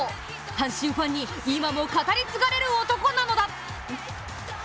阪神ファンに今も語り継がれる男なのだ。